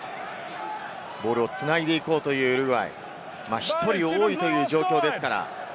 ボールを繋いでいこうというウルグアイ、１人多いという状況ですから。